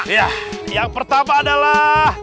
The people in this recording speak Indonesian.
ya yang pertama adalah